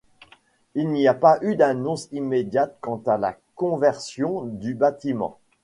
Il n'y a pas eu d'annonce immédiate quant à la conversion du bâtiment.